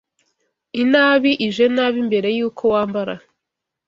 inabi ije nabi imbere y’uko wambara